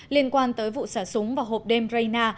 liên quan tới vụ xả súng vào hộp đêm rayna